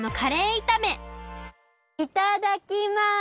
いただきます！